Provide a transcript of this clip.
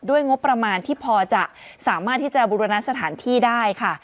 งบประมาณที่พอจะสามารถที่จะบุรณสถานที่ได้ค่ะ